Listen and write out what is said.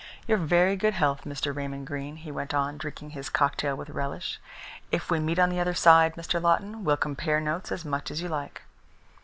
Your very good health, Mr. Raymond Greene," he went on, drinking his cocktail with relish. "If we meet on the other side, Mr. Lawton, we'll compare notes as much as you like."